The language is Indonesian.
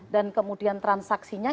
dan kemudian transaksinya